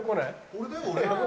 俺だよ俺。